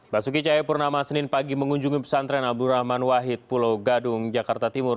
basuki cahayapurnama senin pagi mengunjungi pesantren abdurrahman wahid pulau gadung jakarta timur